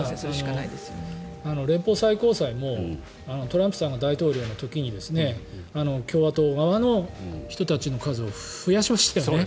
連邦最高裁もトランプさんが大統領の時に共和党側の人たちの数を増やしましたよね。